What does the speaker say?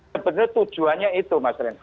sebenarnya tujuannya itu